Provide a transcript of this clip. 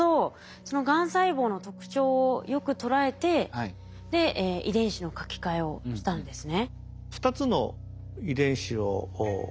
そのがん細胞の特徴をよく捉えてで遺伝子の書き換えをしたんですね。